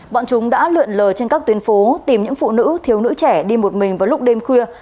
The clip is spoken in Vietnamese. bọn chúng đã lượn lờ trên các tuyến phố tìm những phụ nữ thiếu nữ trẻ đi một mình vào lúc đêm khuya